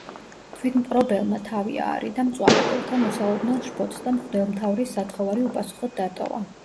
თვითმპყრობელმა თავი აარიდა მწვალებელთა მოსალოდნელ შფოთს და მღვდელმთავრის სათხოვარი უპასუხოდ დატოვა.